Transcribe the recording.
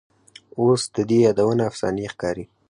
اوس دي یادونه افسانې ښکاري